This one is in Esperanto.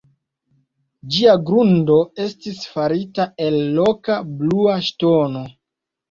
Ĝia grundo estis farita el loka blua ŝtono.